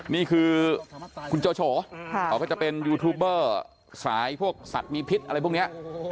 นี่คือคุณโจโฉเขาก็จะเป็นยูทูบเบอร์สายพวกสัตว์มีพิษอะไรพวกนี้